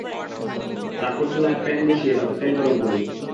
তারপর চুলায় প্যান বসিয়ে তাতে তেল গরম করুন।